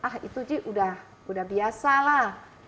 ah itu ji udah biasa lah